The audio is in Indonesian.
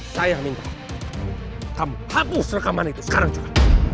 saya minta kamu hapus rekaman itu sekarang juga